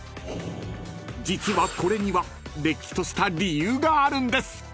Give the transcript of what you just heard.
［実はこれにはれっきとした理由があるんです］